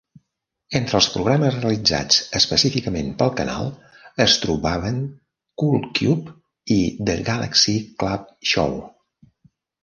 Entre els programes realitzats específicament pel canal es trobaven "Cool Cube" i "The Galaxy Club Show".